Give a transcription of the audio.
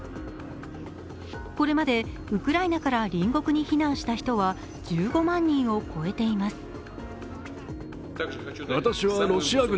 これまでウクライナから隣国に避難した人は１５万人を超えています。